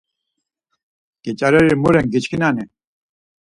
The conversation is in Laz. Geç̌areri mu ren giçkinani?